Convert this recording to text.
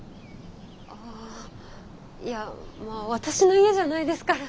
あぁいやまぁ私の家じゃないですから。